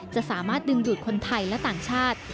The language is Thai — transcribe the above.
จะสามารถดึงดูดคนไทยและต่างชาติ